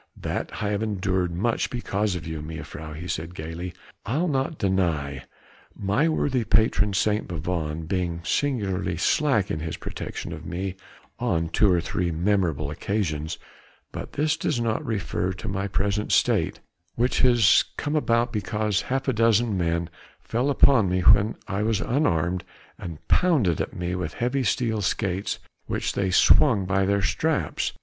"That I have endured much because of you, mejuffrouw," he said gaily, "I'll not deny; my worthy patron St. Bavon being singularly slack in his protection of me on two or three memorable occasions; but this does not refer to my present state, which has come about because half a dozen men fell upon me when I was unarmed and pounded at me with heavy steel skates, which they swung by their straps.